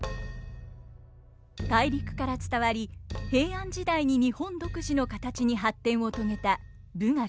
大陸から伝わり平安時代に日本独自の形に発展を遂げた舞楽。